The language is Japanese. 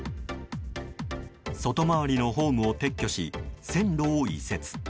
外回りのホームを撤去し線路を移設。